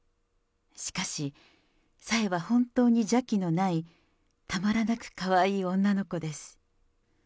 しかし、さやは本当に邪気のない、たまらなくかわいい女の子です。